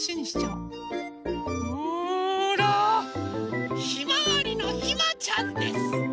ほらひまわりのひまちゃんです！